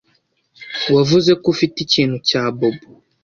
Wavuze ko ufite ikintu cya Bobo